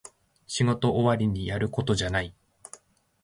仕事終わりにやることじゃない